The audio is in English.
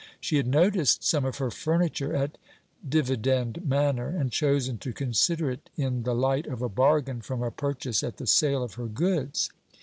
She had noticed some of her furniture at 'Dividend Manor,' and chosen to consider it in the light of a bargain from a purchase at the sale of her goods.